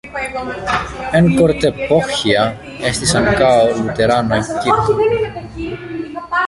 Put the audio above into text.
En Kortepohja estis ankaŭ luterana kirko.